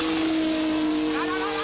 あららら⁉